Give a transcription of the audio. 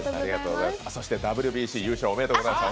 そしてＷＢＣ優勝、おめでとうございます。